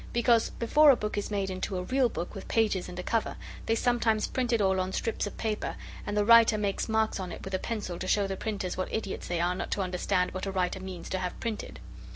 Because before a book is made into a real book with pages and a cover, they sometimes print it all on strips of paper, and the writer make marks on it with a pencil to show the printers what idiots they are not to understand what a writer means to have printed.